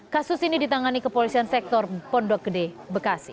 kasus ini ditangani kepolisian sektor pondok gede bekasi